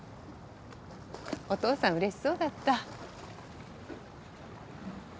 お父さんうれしそうだった。